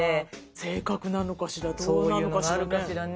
性格なのかしらどうなのかしらね？